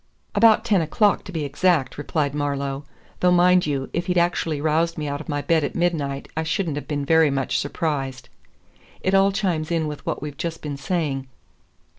"About ten o'clock, to be exact," replied Marlowe. "Though mind you, if he'd actually roused me out of my bed at midnight I shouldn't have been very much surprised. It all chimes in with what we've just been saying.